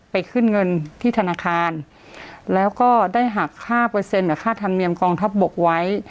ไปขึ้นเงินที่ธนาคารแล้วก็ได้หัก๕ของค่าธันเมียมกองทบกไว้